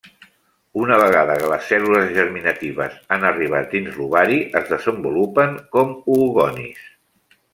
Una vegada que les cèl·lules germinatives han arribat dins l'ovari es desenvolupen com oogonis.